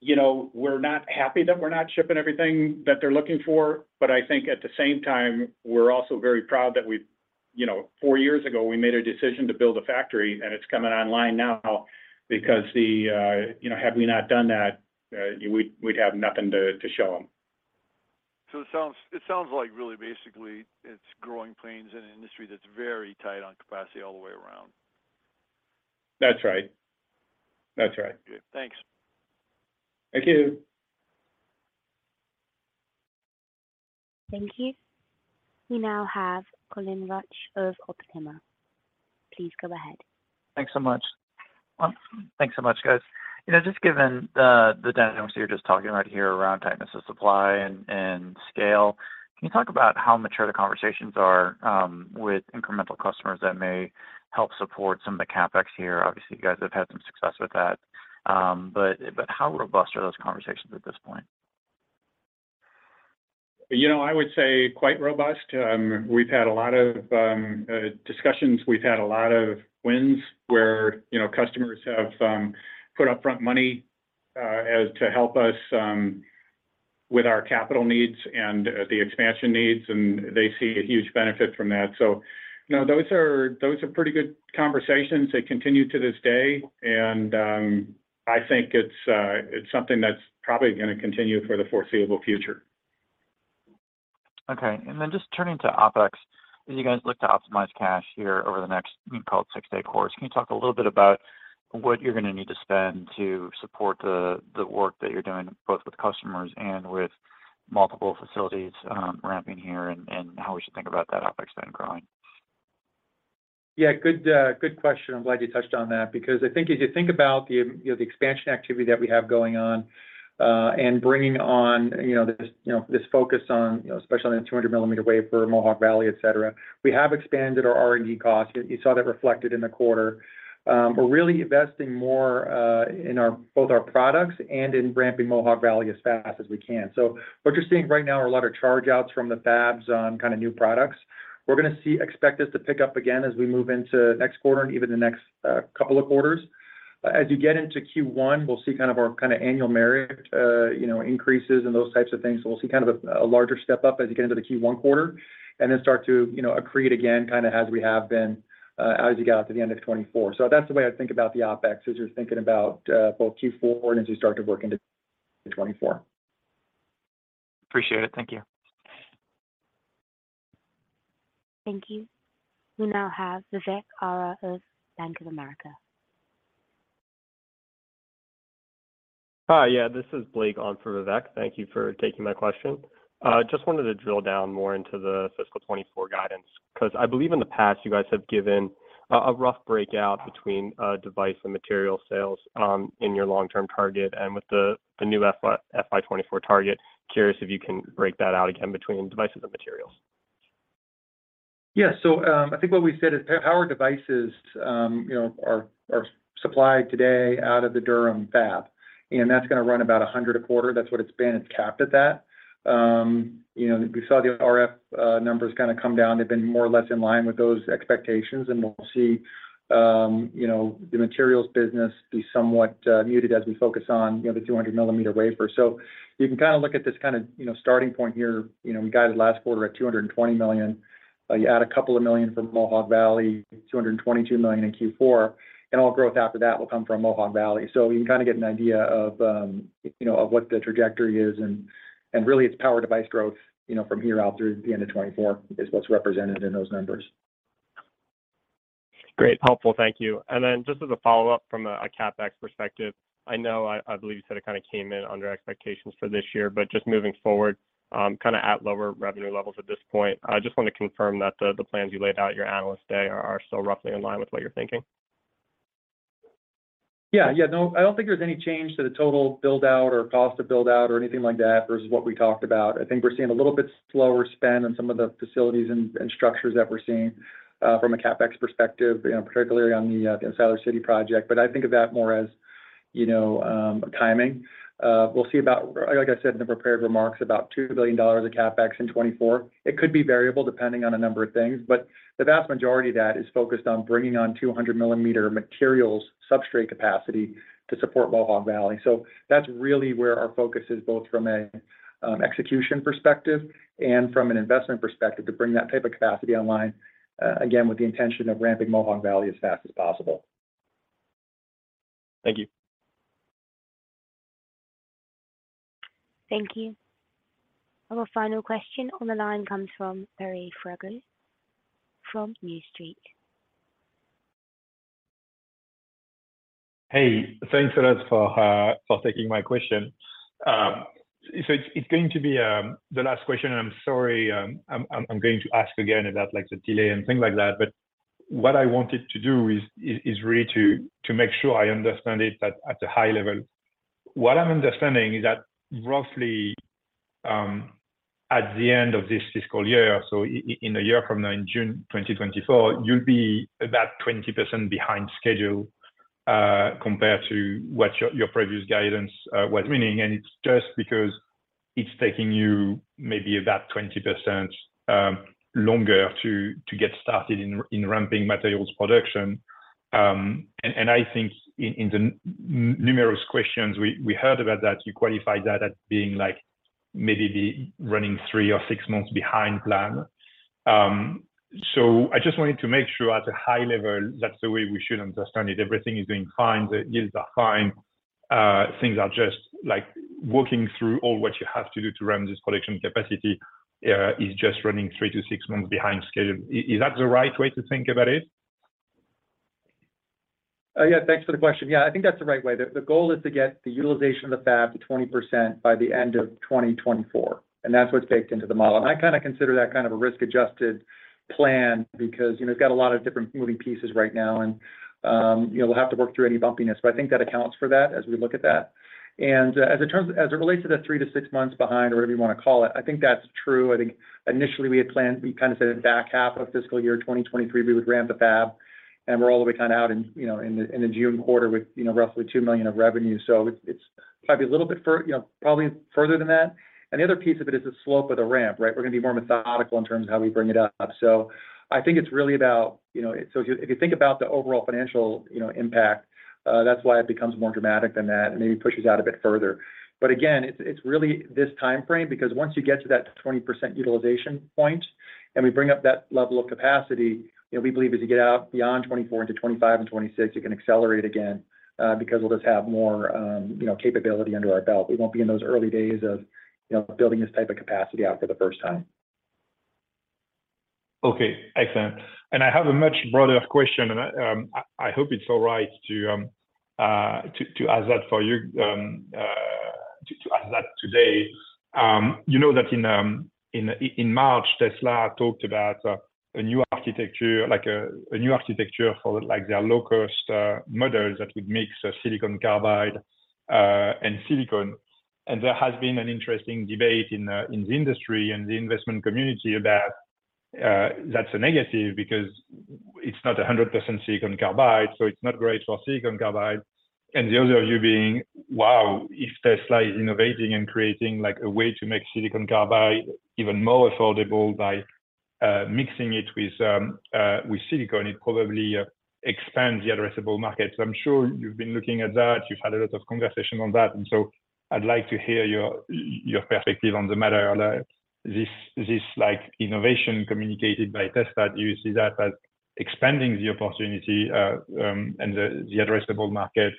you know, we're not happy that we're not shipping everything that they're looking for, but I think at the same time, we're also very proud that we, you know, four years ago, we made a decision to build a factory, and it's coming online now because the, you know, had we not done that, we'd have nothing to show them. It sounds like really basically it's growing planes in an industry that's very tight on capacity all the way around. That's right. That's right. Good. Thanks. Thank you. Thank you. We now have Colin Rusch of Oppenheimer. Please go ahead. Thanks so much. Thanks so much, guys. You know, just given the dynamics you're just talking right here around tightness of supply and scale, can you talk about how mature the conversations are with incremental customers that may help support some of the CapEx here? Obviously, you guys have had some success with that. But how robust are those conversations at this point? You know, I would say quite robust. We've had a lot of discussions. We've had a lot of wins where, you know, customers have put upfront money as to help us with our capital needs and the expansion needs, and they see a huge benefit from that. You know, those are, those are pretty good conversations that continue to this day. I think it's something that's probably gonna continue for the foreseeable future. Okay. Just turning to OpEx, as you guys look to optimize cash here over the next, we call it six day course, can you talk a little bit about what you're gonna need to spend to support the work that you're doing both with customers and with multiple facilities ramping here and how we should think about that OpEx spend growing? Yeah, good question. I'm glad you touched on that because I think if you think about the expansion activity that we have going on, and bringing on this focus on especially on the 200mm wafer, Mohawk Valley, et cetera, we have expanded our R&D costs. You saw that reflected in the quarter. We're really investing more in our both our products and in ramping Mohawk Valley as fast as we can. What you're seeing right now are a lot of charge outs from the fabs on kind of new products. We expect this to pick up again as we move into next quarter and even the next couple of quarters. As you get into Q1, we'll see kind of our kinda annual merit, you know, increases and those types of things. We'll see kind of a larger step up as you get into the Q1 quarter, and then start to, you know, accrete again, kinda as we have been, as you get out to the end of 2024. That's the way I think about the OpEx, is you're thinking about, both Q4 and as you start to work into 2024. Appreciate it. Thank you. Thank you. We now have Vivek Arya of Bank of America. Hi. Yeah, this is Blake on for Vivek. Thank you for taking my question. Just wanted to drill down more into the fiscal 2024 guidance, 'cause I believe in the past you guys have given a rough breakout between device and material sales in your long-term target and with the new FY 2024 target. Curious if you can break that out again between devices and materials. I think what we said is power devices are supplied today out of the Durham fab, and that's gonna run about 100 a quarter. That's what it's been. It's capped at that. We saw the RF numbers kinda come down. They've been more or less in line with those expectations, and we'll see the materials business be somewhat muted as we focus on the 200mm wafer. You can kinda look at this kinda starting point here. We guided last quarter at $220 million. You add $2 million from Mohawk Valley, $222 million in Q4, and all growth after that will come from Mohawk Valley. You can kinda get an idea of, you know, of what the trajectory is and really its power device growth, you know, from here out through the end of 2024 is what's represented in those numbers. Great, helpful. Thank you. Just as a follow-up from a CapEx perspective, I believe you said it kind of came in under expectations for this year, just moving forward, kinda at lower revenue levels at this point, I just wanna confirm that the plans you laid out at your analyst day are still roughly in line with what you're thinking. Yeah, no, I don't think there's any change to the total build-out or cost to build out or anything like that versus what we talked about. I think we're seeing a little bit slower spend on some of the facilities and structures that we're seeing, from a CapEx perspective, you know, particularly on the Siler City project. I think of that more as, you know, timing. We'll see about, like I said in the prepared remarks, about $2 billion of CapEx in 2024. It could be variable depending on a number of things, but the vast majority of that is focused on bringing on 200mm materials substrate capacity to support Mohawk Valley.That's really where our focus is, both from a execution perspective and from an investment perspective to bring that type of capacity online, again, with the intention of ramping Mohawk Valley as fast as possible. Thank you. Thank you. Our final question on the line comes from Pierre Ferragu from New Street. Hey, thanks a lot for taking my question. So it's going to be the last question, and I'm sorry, I'm going to ask again about like the delay and things like that. What I wanted to do is really to make sure I understand it at a high level. What I'm understanding is that roughly, at the end of this fiscal year, so in a year from now, in June 2024, you'll be about 20% behind schedule compared to what your previous guidance was meaning. It's just because it's taking you maybe about 20% longer to get started in ramping materials production. I think in the numerous questions we heard about that, you qualified that as being like maybe running three or six months behind plan. I just wanted to make sure at a high level that's the way we should understand it. Everything is going fine. The yields are fine. Things are just like working through all what you have to do to ramp this production capacity, is just running three to six months behind schedule. Is that the right way to think about it? Yeah. Thanks for the question. Yeah. I think that's the right way. The, the goal is to get the utilization of the fab to 20% by the end of 2024, and that's what's baked into the model. I kinda consider that kind of a risk-adjusted plan because, you know, it's got a lot of different moving pieces right now and, you know, we'll have to work through any bumpiness. I think that accounts for that as we look at that. As it relates to the three to six months behind or whatever you wanna call it, I think that's true. I think initially we had planned, we kinda said at back half of fiscal year 2023, we would ramp the fab. We're all the way kinda out in, you know, in the June quarter with, you know, roughly $2 million of revenue. It's probably a little bit, you know, probably further than that. The other piece of it is the slope of the ramp, right? We're gonna be more methodical in terms of how we bring it up. I think it's really about, you know. If you think about the overall financial, you know, impact, that's why it becomes more dramatic than that and maybe pushes out a bit further. Again, it's really this timeframe because once you get to that 20% utilization point and we bring up that level of capacity, you know, we believe as you get out beyond 2024 into 2025 and 2026 it can accelerate again, because we'll just have more, you know, capability under our belt. We won't be in those early days of, you know, building this type of capacity out for the first time. Okay. Excellent. I have a much broader question, and I hope it's all right to ask that for you to ask that today. You know that in March, Tesla talked about a new architecture, like a new architecture for like their low cost models that would mix silicon carbide and silicon. There has been an interesting debate in the industry and the investment community about that's a negative because it's not 100% silicon carbide, so it's not great for silicon carbide. The other view being, wow, if Tesla is innovating and creating like a way to make silicon carbide even more affordable by mixing it with silicon, it probably expands the addressable market. I'm sure you've been looking at that. You've had a lot of conversation on that, I'd like to hear your perspective on the matter. This like innovation communicated by Tesla, do you see that as expanding the opportunity, and the addressable market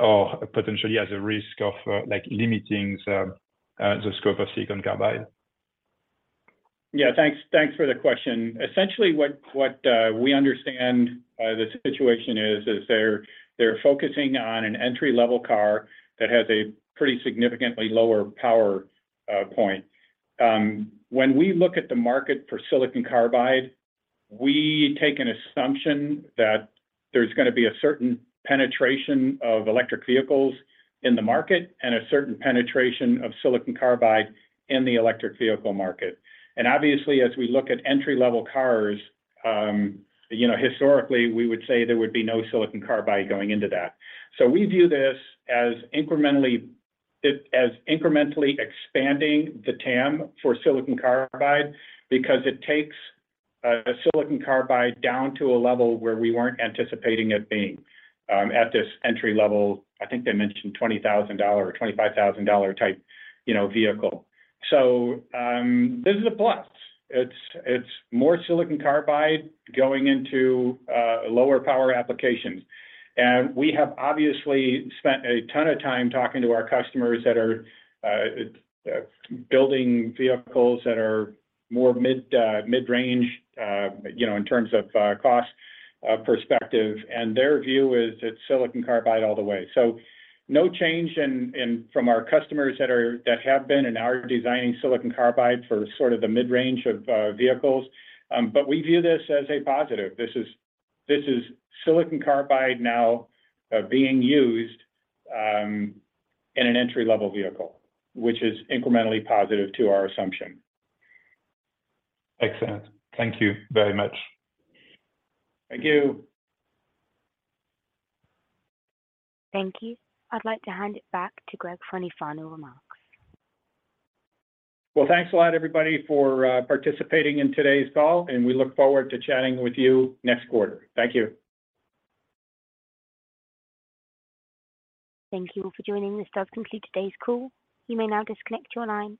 or potentially as a risk of like limiting the scope of silicon carbide? Yeah. Thanks for the question. Essentially what we understand the situation is they're focusing on an entry-level car that has a pretty significantly lower power point. When we look at the market for silicon carbide, we take an assumption that there's going to be a certain penetration of electric vehicles in the market and a certain penetration of silicon carbide in the electric vehicle market. Obviously as we look at entry-level cars, you know, historically we would say there would be no silicon carbide going into that. We view this as incrementally expanding the TAM for silicon carbide because it takes silicon carbide down to a level where we weren't anticipating it being at this entry level, I think they mentioned $20,000 or $25,000 type, you know, vehicle. This is a plus. It's more silicon carbide going into lower power applications. We have obviously spent a ton of time talking to our customers that are building vehicles that are more mid-range, you know, in terms of cost perspective, and their view is it's silicon carbide all the way. No change in from our customers that are, that have been and are designing silicon carbide for sort of the mid-range of vehicles. We view this as a positive. This is silicon carbide now being used in an entry-level vehicle, which is incrementally positive to our assumption. Excellent. Thank you very much. Thank you. Thank you. I'd like to hand it back to Gregg for any final remarks. Thanks a lot everybody for participating in today's call, and we look forward to chatting with you next quarter. Thank you. Thank you all for joining. This does conclude today's call. You may now disconnect your line.